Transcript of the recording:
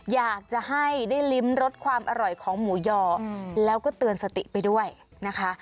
อยากจะให้ได้ลิ้มรสความอร่อยของหมูยอแล้วก็เตือนสติไปด้วยนะคะ